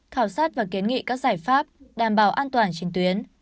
khảo sát và kiến nghị các giải pháp đảm bảo an toàn trên tuyến